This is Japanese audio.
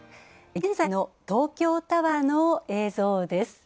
現在の東京タワーの映像です。